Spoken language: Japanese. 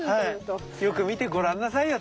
はいよく見てご覧なさいよと。